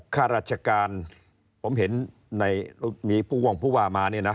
ข้าราชการผมเห็นในมีผู้ว่างผู้ว่ามาเนี่ยนะ